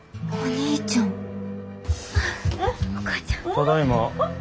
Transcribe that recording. ただいま。